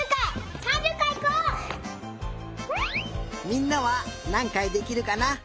みんなはなんかいできるかな？